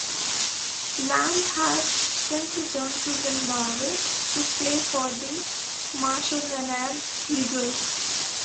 Lamb has since returned to Zimbabwe to play for the Mashonaland Eagles.